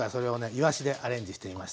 いわしでアレンジしてみました。